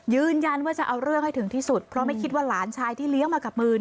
ยืนยันว่าจะเอาเรื่องให้ถึงที่สุดเพราะไม่คิดว่าหลานชายที่เลี้ยงมากับมือ